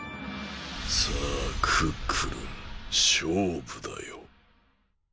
さあクックルンしょうぶだよ。